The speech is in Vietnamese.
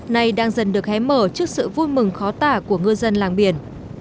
này đang dần được hé mở trước sự vui mừng khó tả của ngư dân làng biển